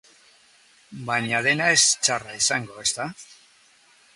Baina dena ez da txarra izango, ezta?